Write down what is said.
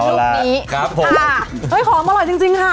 เฮ้ยหอมอร่อยจริงค่ะ